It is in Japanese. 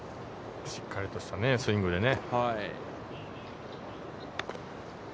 しっかりとしたスイングでね。